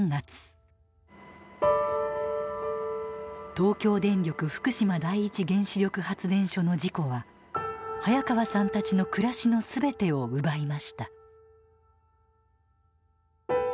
東京電力福島第一原子力発電所の事故は早川さんたちの暮らしの全てを奪いました。